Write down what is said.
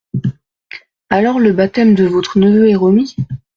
Alors le baptême de votre neveu est remis ?